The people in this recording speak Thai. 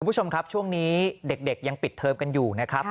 คุณผู้ชมครับช่วงนี้เด็กยังปิดเทอมกันอยู่นะครับ